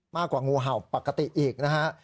มากกว่างูเห่าปกติอีก